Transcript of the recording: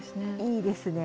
いいですね。